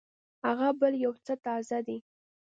هغه بل يو څه تازه دی.